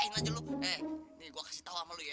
pokoknya raya si iman ya